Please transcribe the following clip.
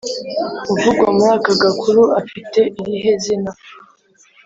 Uvugwa muri aka gakuru afite irihe zina?